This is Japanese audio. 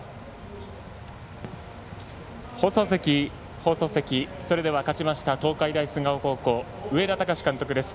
放送席勝ちました東海大菅生高校上田崇監督です。